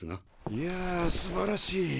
いやすばらしい。